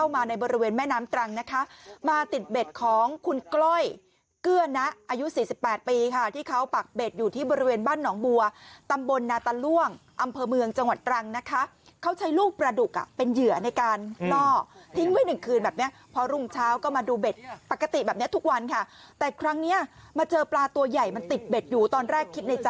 มาในบริเวณแม่น้ำตรังนะคะมาติดเบ็ดของคุณก้อยเกื้อนะอายุสี่สิบแปดปีค่ะที่เขาปักเบ็ดอยู่ที่บริเวณบ้านหนองบัวตำบลนาตาล่วงอำเภอเมืองจังหวัดตรังนะคะเขาใช้ลูกปลาดุกอ่ะเป็นเหยื่อในการล่อทิ้งไว้หนึ่งคืนแบบเนี้ยพอรุ่งเช้าก็มาดูเบ็ดปกติแบบนี้ทุกวันค่ะแต่ครั้งเนี้ยมาเจอปลาตัวใหญ่มันติดเบ็ดอยู่ตอนแรกคิดในจ